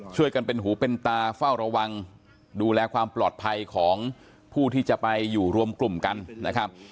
ช่วยกันเป็นหูเป็นตาเฝ้าระวังดูแลความปลอดภัยของผู้ที่จะไปอยู่รวมกลุ่มกันนะครับ